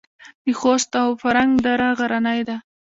د خوست او فرنګ دره غرنۍ ده